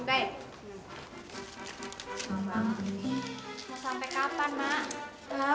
sampai kapan mak